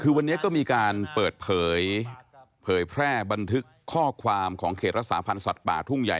คือวันนี้ก็มีการเปิดเผยแพร่บันทึกข้อความของเขตรักษาพันธ์สัตว์ป่าทุ่งใหญ่